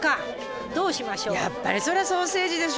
やっぱりそりゃソーセージでしょ。